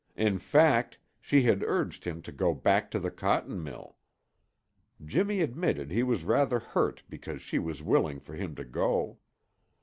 In fact, she had urged him to go back to the cotton mill. Jimmy admitted he was rather hurt because she was willing for him to go.